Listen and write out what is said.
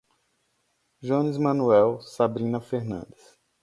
Jones Manoel, Sabrina Fernandes